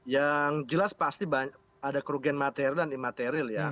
yang jelas pasti ada kerugian materi dan imateril ya